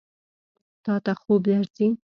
تا ته خوب درځي؟